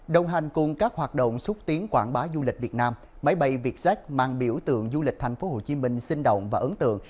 đồng hành cùng các hoạt động xúc tiến quảng bá du lịch việt nam máy bay vietjet mang biểu tượng du lịch tp hcm sinh động và ấn tượng